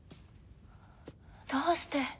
どうして？